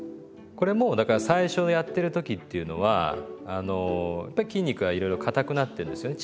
これもだから最初やってる時っていうのはやっぱり筋肉がいろいろかたくなってるんですよね